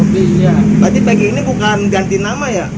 berarti pagi ini bukan ganti nama ya